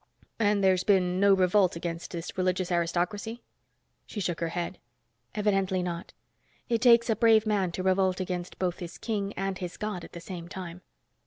"And there's been no revolt against this religious aristocracy?" She shook her head. "Evidently not. It takes a brave man to revolt against both his king and his God at the same time."